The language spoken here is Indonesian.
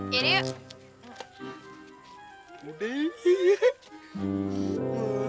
ya deh yuk